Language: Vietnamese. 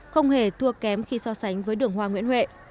không hề thua kém khi so sánh với đường hoa nguyễn huệ